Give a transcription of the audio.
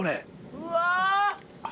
うわ！